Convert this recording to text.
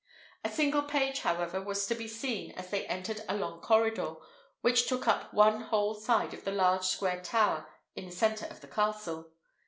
A single page, however, was to be seen as they entered a long corridor, which took up one whole side of the large square tower in the centre of the castle.